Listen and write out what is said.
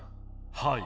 はい。